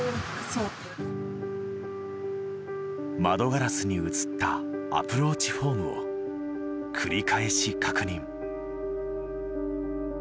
窓ガラスに映ったアプローチフォームを繰り返し確認。